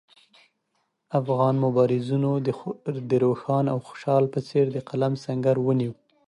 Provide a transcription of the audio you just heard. افغان مبارزینو د روښان او خوشحال په څېر د قلم سنګر ونیو.